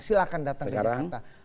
silahkan datang ke jakarta